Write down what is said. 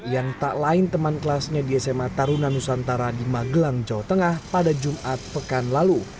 yang tak lain teman kelasnya di sma taruna nusantara di magelang jawa tengah pada jumat pekan lalu